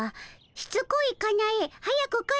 「しつこいかなえ早く帰ってたも」。